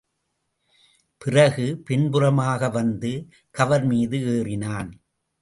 பிறகு பின்புறமாக வந்து, கவர் மீது ஏறினான்.